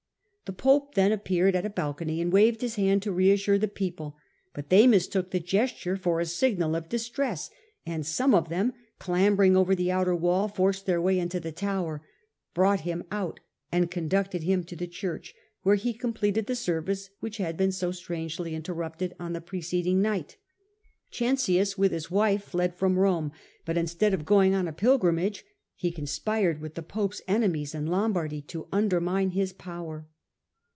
The pope then appeared at a balcony and waved his hand to reassure the people, but they mistook the gesture for a signal of distress, and some of them clambering over the outer wall forced their way into the tower, brought him out and conducted him to the church, where he completed the service which had been so strangely interrupted on the preceding night. Cencius, with his wife, fled from Rome, but instead of going on a pilgrimage, he conspired with the pope's enemies in Lombardy to undermine his power.